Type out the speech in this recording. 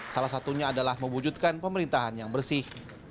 salah satunya adalah mewujudkan pemerintahan yang bersih